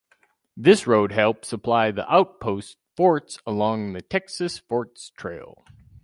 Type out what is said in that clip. This road helped supply the outpost forts along the Texas Forts Trail.